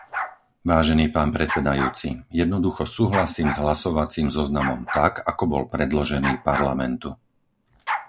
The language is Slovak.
Vážený pán predsedajúci, jednoducho súhlasím s hlasovacím zoznamom tak, ako bol predložený Parlamentu.